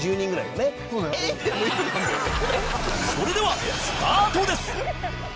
それではスタートです！